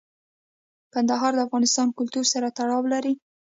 کندهار د افغان کلتور سره تړاو لري.